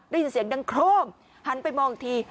ได้ยินเสียงดังโครมหันไปมองอีกที